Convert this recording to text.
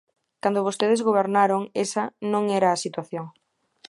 Cando vostedes gobernaron, esa non era a situación.